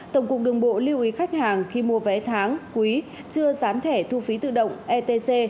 tổng cục đường bộ lưu ý khách hàng khi mua vé tháng quý chưa gián thẻ thu phí tự động etc